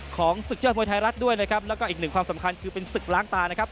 ศึกยอดมวยไทยรัฐด้วยนะครับแล้วก็อีกหนึ่งความสำคัญคือเป็นศึกล้างตานะครับ